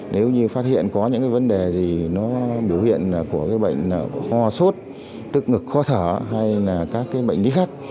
nếu như phát hiện có những vấn đề gì nó biểu hiện của bệnh ho sốt tức ngực khó thở hay là các bệnh lý khác